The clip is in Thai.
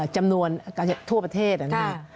จำนวนทั่วประเทศนะครับ